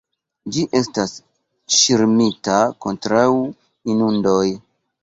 Ĝi estas ŝirmita kontraŭ inundoj.